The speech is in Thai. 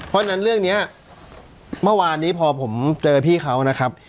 เพราะฉะนั้นเรื่องนี้เมื่อวานนี้พอผมเจอพี่เขานะครับ